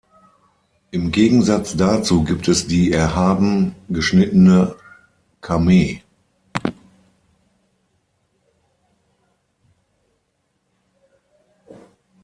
Im Gegensatz dazu gibt es die erhaben geschnittene Kamee.